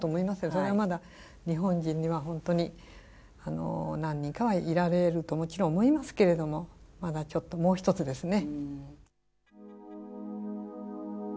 それはまだ日本人には本当に何人かはいられるともちろん思いますけれどもまだちょっともうひとつですね。